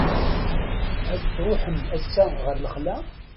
Ad truḥem ass-a ɣer lexla?